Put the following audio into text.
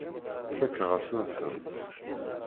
Fakeɣ-asen-tent.